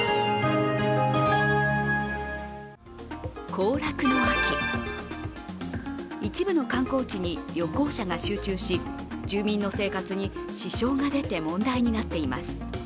好楽の秋、一部の観光地に旅行者が集中し住民の生活に支障が出て問題になっています。